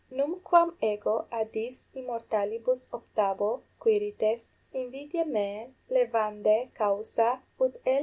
Numquam ego a dis immortalibus optabo, Quirites, invidiae meae levandae causa, ut L.